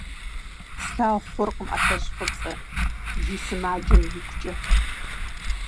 «Слъагъу хъуркъым ӏэлъэщӏ фӏыцӏэ», - жи, сымаджэм игукӏэ.